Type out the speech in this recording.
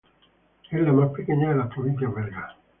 Es la más pequeña de las provincias belgas.